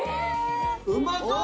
うまそう！